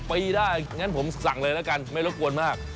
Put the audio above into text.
ปีได้งั้นผมสั่งเลยแล้วกันไม่รบกวนมาก